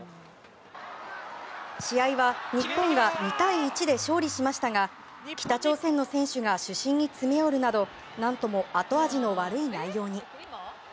試合は日本が２対１で勝利しましたが北朝鮮の選手が主審に詰め寄るなど何とも後味の悪い内容に。